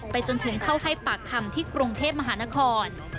จนถึงเข้าให้ปากคำที่กรุงเทพมหานคร